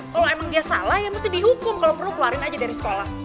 kalau emang dia salah ya mesti dihukum kalau perlu keluarin aja dari sekolah